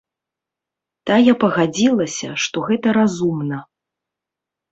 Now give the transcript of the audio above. Тая пагадзілася, што гэта разумна.